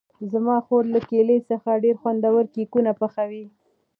زما خور له کیلې څخه ډېر خوندور کېکونه پخوي.